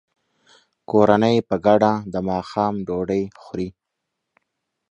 کورنۍ په ګډه د ماښام ډوډۍ خوري.